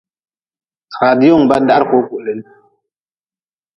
Radiongu ba-n dahri kuu kulin.